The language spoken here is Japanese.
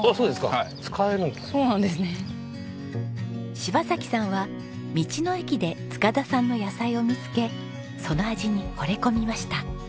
柴さんは道の駅で塚田さんの野菜を見つけその味に惚れ込みました。